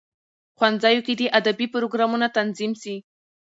ښوونځیو کې دي ادبي پروګرامونه تنظیم سي.